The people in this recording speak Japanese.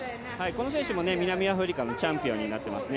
この選手も南アフリカのチャンピオンになっていますね。